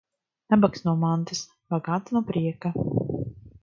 Nabags no mantas, bagāts no prieka.